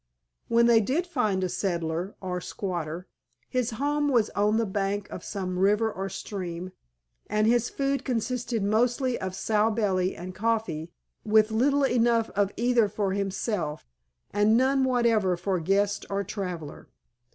When they did find a "settler" or squatter, his home was on the bank of some river or stream, and his food consisted mostly of "sow belly" and coffee, with little enough of either for himself, and none whatever for guest or traveler.